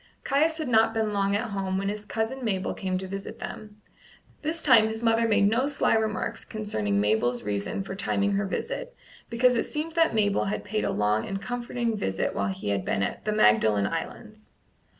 Caius had not been long at home when his cousin Mabel came to visit them. This time his mother made no sly remarks concerning Mabel's reason for timing her visit, because it seemed that Mabel had paid a long and comforting visit while he had been at the Magdalen Islands.